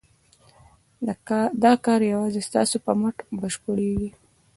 دا کار یوازې ستاسو په مټ بشپړېږي.